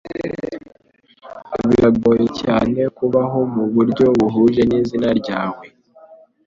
Biragoye cyane kubaho mu buryo buhuje n'izina ryawe